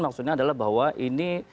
maksudnya adalah bahwa ini